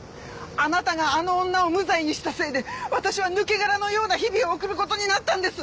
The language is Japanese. あなたがあの女を無罪にしたせいで私は抜け殻のような日々を送る事になったんです！